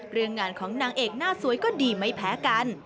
เรื่องงานของนางเอกหน้าสวยก็ดีไม่แพ้กัน